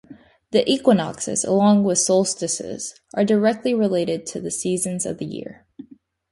The equinoxes, along with solstices, are directly related to the seasons of the year.